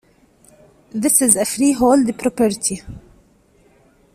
This is a freehold property.